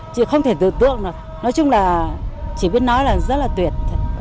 chị không thể tự tượng nữa nói chung là chỉ biết nói là rất là tuyệt